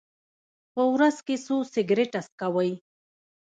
په ورځ کې څو سګرټه څکوئ؟